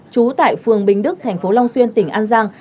trú tại phường bình đức thành phố long xuyên tỉnh an giang